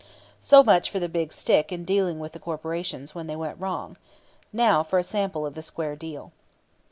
So much for the "big stick" in dealing with the corporations when they went wrong. Now for a sample of the square deal.